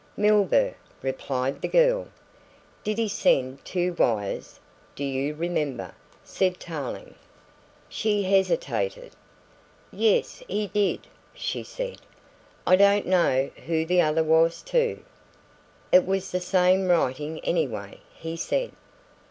"Milburgh," replied the girl. "Did he send two wires, do you remember?" said Tarling. She hesitated. "Yes, he did," she said, "I don't know who the other was to." "It was the same writing anyway," he said.